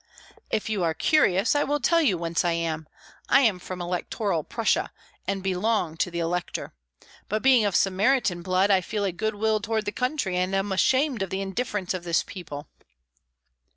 "If you are curious, I will tell you whence I am. I am from Electoral Prussia, and belong to the elector. But being of Sarmatian blood, I feel a good will toward the country, and am ashamed of the indifference of this people."